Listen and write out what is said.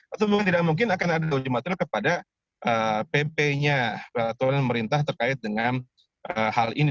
atau mungkin tidak mungkin akan ada uji materi kepada pp nya atau pemerintah terkait dengan hal ini